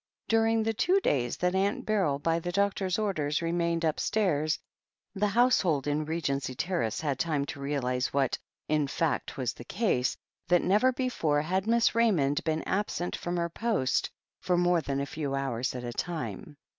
During the two days that Aunt Beryl, by the doc tor's orders, remained upstairs, the household in Re gency Terrace had time to realize what, in fact, was the case — ^that never before had Miss Raymond been absent from her post for more than a few hours at a time.